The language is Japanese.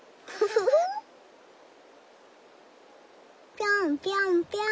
ぴょんぴょんぴょん。